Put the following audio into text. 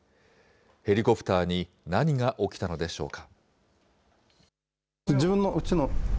ヘリコプターに何が起きたのでしょうか。